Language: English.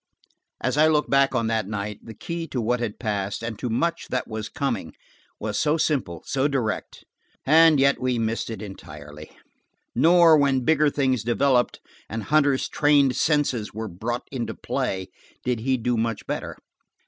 As I look back on that night, the key to what had passed and to much that was coming was so simple, so direct–and yet we missed it entirely. Nor, when bigger things developed, and Hunter's trained senses were brought into play, did he do much better.